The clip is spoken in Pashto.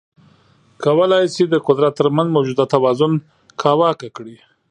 کولای شي د قدرت ترمنځ موجوده توازن کاواکه کړي.